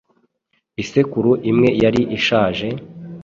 Isekuru imwe yari ishaje,